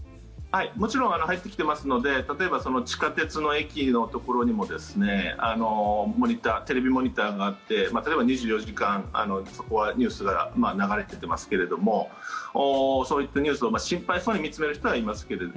もちろん入ってきていますので例えば、地下鉄の駅のところにもテレビモニターがあって例えば、２４時間そこはニュースが流れていますけれどもそういったニュースを心配そうに見つめる人はいます。